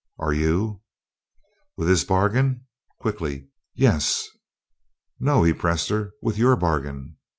Are you?" "With his bargain?" quickly. "Yes." "No," he pressed her, "with your bargain?"